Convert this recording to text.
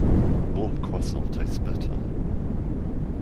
Warm Croissant tastes better.